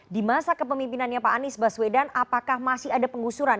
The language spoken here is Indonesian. di masa kepemimpinannya pak anies baswedan apakah masih ada penggusuran